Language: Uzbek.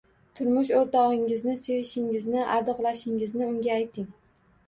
Turmush o‘rtog‘ingizni sevishingizni, ardoqlashingizni unga ayting.